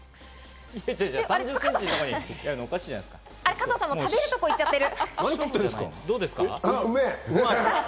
加藤さん、もう食べるとこいっちゃってる。